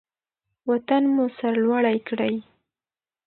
وطن مو سرلوړی کړئ.